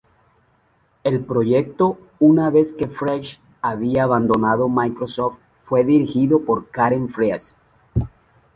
El proyecto, una vez que French había abandonado Microsoft, fue dirigido por Karen Fries.